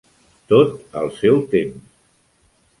Tot al seu temps.